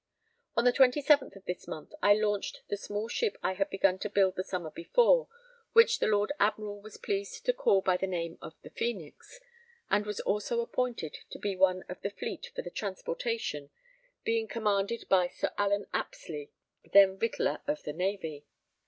On the 27th of this month I launched the small ship I had begun to build the summer before, which the Lord Admiral was pleased to call by the name of the Phœnix, and was also appointed to be one of [the] Fleet for the transportation, being commanded by Sir Allen Apsley, then Victualler of the Navy.